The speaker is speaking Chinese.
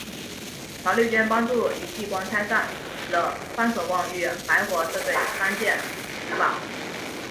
陶莉娟帮助于继光拆散了范守望与白活这对商界孖宝。